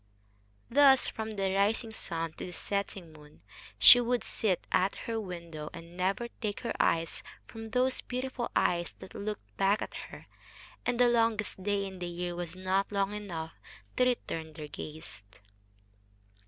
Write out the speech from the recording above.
Thus, from the rising sun to the setting moon, she would sit at her window, and never take her eyes from those beautiful eyes that looked back at her, and the longest day in the year was not long enough to return their gaze.